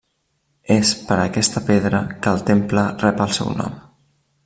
És per aquesta pedra que el temple rep el seu nom.